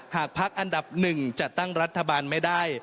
พักอันดับ๑จัดตั้งรัฐบาลไม่ได้